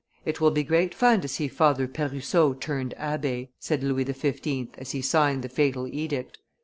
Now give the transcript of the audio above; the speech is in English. "It will be great fun to see Father Perusseau turned abbe," said Louis XV. as he signed the fatal edict.